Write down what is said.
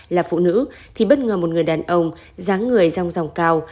là phụ nữ thì bất ngờ một người đàn ông ráng người rong ròng cao